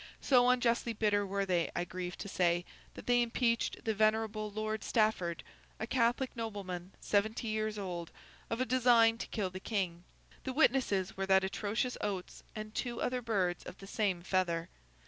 So unjustly bitter were they, I grieve to say, that they impeached the venerable Lord Stafford, a Catholic nobleman seventy years old, of a design to kill the King. The witnesses were that atrocious Oates and two other birds of the same feather.